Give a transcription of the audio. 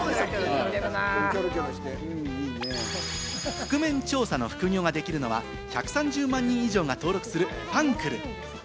覆面調査の副業ができるのは１３０万人以上が登録する、ファンくる。